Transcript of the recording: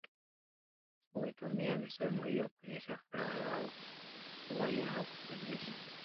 Huitumia misemo hiyo kuonyesha furaha yao kuonya au kufundisha